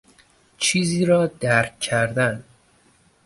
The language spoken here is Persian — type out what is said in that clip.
چیزی را درک کردن